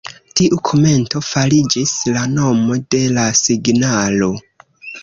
Tiu komento fariĝis la nomo de la signalo.